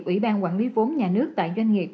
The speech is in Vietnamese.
ủy ban quản lý vốn nhà nước tại doanh nghiệp